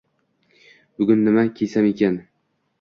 Bugun nima kiysam ekin?